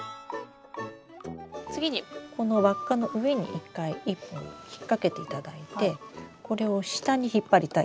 次にこの輪っかの上に１回１本引っ掛けていただいてこれを下に引っ張りたい。